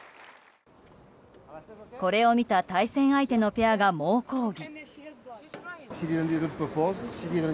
これを見た対戦相手のペアが猛抗議。